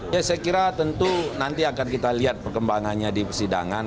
ya saya kira tentu nanti akan kita lihat perkembangannya di persidangan